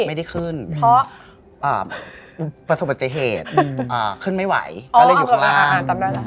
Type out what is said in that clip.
ไม่ได้ขึ้นเพราะประสบปฏิเหตุขึ้นไม่ไหวก็เลยอยู่ข้างล่าง